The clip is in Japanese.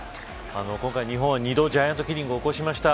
今回、日本は２度ジャイアントキリングを起こしました。